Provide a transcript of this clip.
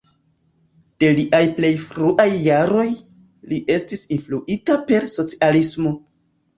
De liaj plej fruaj jaroj, li estis influita per socialismo.